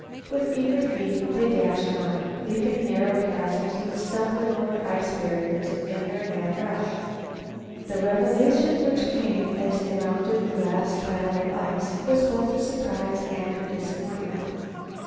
With eager feet they dashed on, leaping narrow chasms and stumbling over ice barriers in their mad rush. The revelation which came as they rounded the last pile of ice was both a surprise and a disappointment.